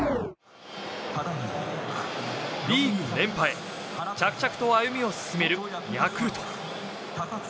リーグ連覇へ着々と歩みを進めるヤクルト。